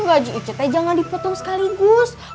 gaji icu teh jangan dipotong sekaligus